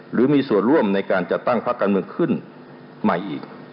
หรือมีส่วนร่วมในการจัดตั้งพักการเมืองขึ้นใหม่อีก